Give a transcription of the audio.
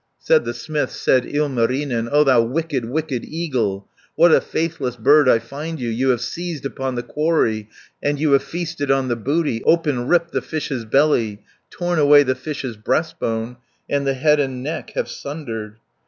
Said the smith, said Ilmarinen, "O thou wicked, wicked eagle, What a faithless bird I find you, You have seized upon the quarry, 300 And you have feasted on the booty, Open ripped the fish's belly, Torn away the fish's breastbone, And the head and neck have sundered."